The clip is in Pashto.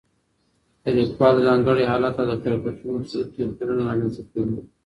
د لیکوال ځانګړی حالت او د کره کتونکي لید توپیرونه رامنځته کوي.